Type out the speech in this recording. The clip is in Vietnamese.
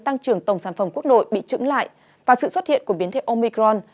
tăng trưởng tổng sản phẩm quốc đội bị trững lại và sự xuất hiện của biến thể omicron